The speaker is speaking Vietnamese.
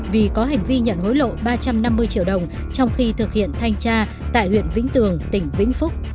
vì có hành vi nhận hối lộ ba trăm năm mươi triệu đồng trong khi thực hiện thanh tra tại huyện vĩnh tường tỉnh vĩnh phúc